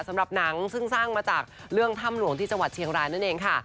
สำหรับหนังซึ่งสร้างมาจากเรื่องถ้ำหลวงที่จังหวัดเชียงรายนั่นเองค่ะ